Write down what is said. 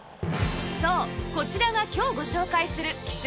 そうこちらが今日ご紹介する希少な松阪牛